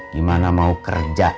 gimana mau kerja